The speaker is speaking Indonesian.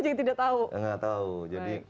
juga tidak tahu nggak tahu jadi